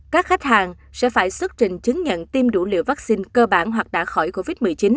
các khách hàng sẽ phải xuất trình chứng nhận tiêm đủ liều vaccine cơ bản hoặc đã khỏi covid một mươi chín